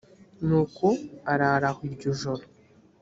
nuko arara aho iryo joro